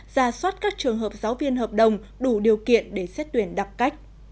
ra soát các trường hợp giáo viên hợp đồng đủ điều kiện để xét tuyển đặc cách